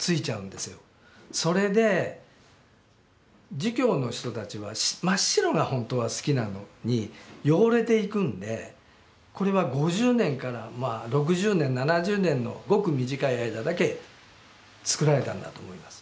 それで儒教の人たちは真っ白が本当は好きなのに汚れていくんでこれは５０年からまあ６０年７０年のごく短い間だけ作られたんだと思います。